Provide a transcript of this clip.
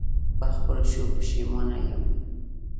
په خپلو ښو پښېمانه یم.